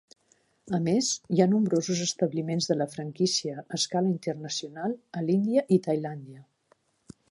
A més, hi ha nombrosos establiments de la franquícia a escala internacional a l'Índia i Tailàndia.